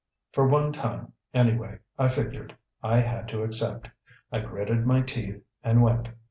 For one time, anyway, I figured I had to accept. I gritted my teeth and went.